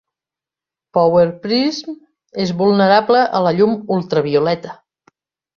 Power Prism és vulnerable a la llum ultravioleta.